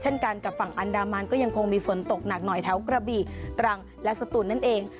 เช่นกันกับฝั่งอันดามันก็ยังคงมีฝนตกหนักหน่อยแถวกระบี่ตรังและสตูนนั่นเอง